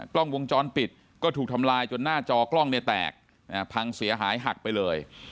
กล้องวงจรปิดก็ถูกทำลายจนหน้าจอกล้องเนี่ยแตกพังเสียหายหักไปเลย